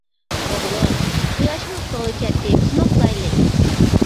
— ئوغلۇم، قۇياشمۇ ئۇخلىغىلى كەتتى، بىزمۇ ئۇخلايلى.